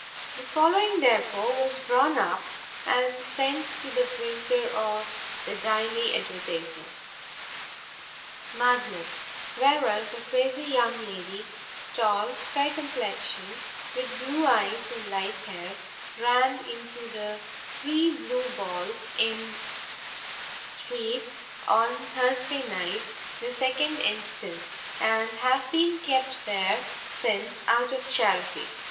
The following, therefore, was drawn up and sent to the printer of the Daily Advertiser. MADNESS. Whereas a crazy young lady, tall, fair complexioned, with blue eyes and light hair, ran into the Three Blue Balls, in street, on Thursday night, the 2nd instant, and has been kept there since out of charity.